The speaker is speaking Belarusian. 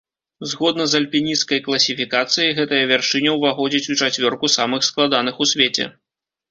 Згодна з альпінісцкай класіфікацыяй, гэтая вяршыня ўваходзіць у чацвёрку самых складаных у свеце.